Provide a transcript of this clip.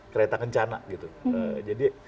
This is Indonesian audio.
kereta kencana gitu jadi